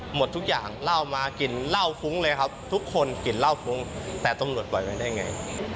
หมดทุกอย่างเหล้ามากลิ่นเหล้าฟุ้งเลยครับทุกคนกลิ่นเหล้าฟุ้งแต่ตำรวจปล่อยไว้ได้ไง